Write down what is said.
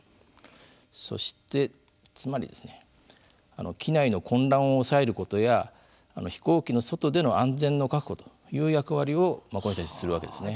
そしてつまりですね機内の混乱を抑えることや飛行機の外での安全の確保という役割をするわけですね。